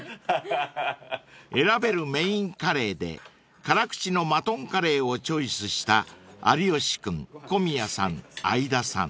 ［選べるメインカレーで辛口のマトンカレーをチョイスした有吉君小宮さん相田さん］